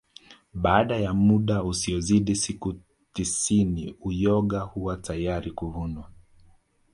Baada ya muda usiozidi siku tisini uyoga huwa tayari kuvunwa